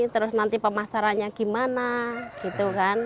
terus nanti pemasarannya gimana gitu kan